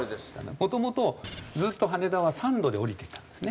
もともとずっと羽田は３度で降りていたんですね。